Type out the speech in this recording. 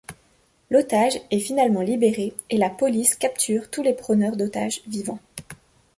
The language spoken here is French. L’otage est finalement libérée et la police capture tous les preneurs d’otage vivants.